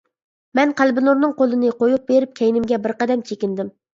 مەن قەلبىنۇرنىڭ قولىنى قويۇپ بېرىپ كەينىمگە بىر قەدەم چېكىندىم.